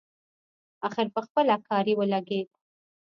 اخر پخپله کاري ولګېد.